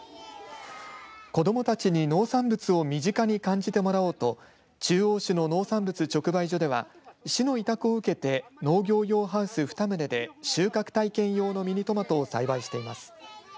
子どもたちに農産物を身近に感じてもらおうと中央市の農産物直売所では市の委託を受けて農業用ハウス２棟で収穫体験用のミニトマトを栽培しています。